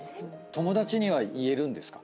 友達には言えるんですか？